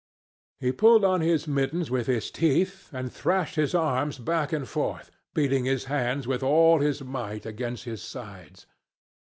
He pulled on his mittens with his teeth, and threshed his arms back and forth, beating his hands with all his might against his sides.